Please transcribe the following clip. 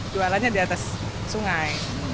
jualannya di atas sungai